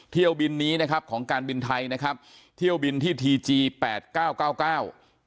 เที่ยวบินนี้นะครับของการบินไทยนะครับเที่ยวบินที่ทีจีแปดเก้าเก้าเก้า